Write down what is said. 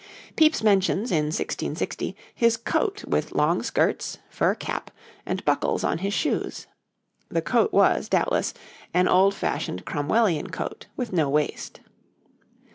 Pepys mentions, in 1660, his coat with long skirts, fur cap, and buckles on his shoes. The coat was, doubtless, an old fashioned Cromwellian coat with no waist.